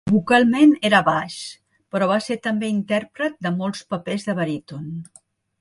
Vocalment era baix, però va ser també intèrpret de molts papers de baríton.